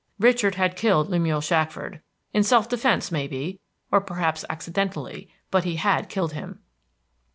Richard had killed Lemuel Shackford, in self defense, may be, or perhaps accidentally; but he had killed him!